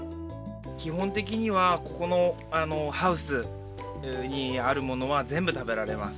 きほんてきにはここのハウスにあるものはぜんぶ食べられます。